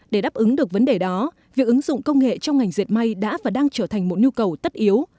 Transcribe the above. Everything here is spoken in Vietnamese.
để đáp ứng được vấn đề đó việc ứng dụng công nghệ trong ngành diệt may đã và đang trở thành một nhu cầu tất yếu